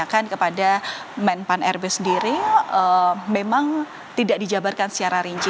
saya tanya kepada men pan rb sendiri memang tidak dijabarkan secara rinci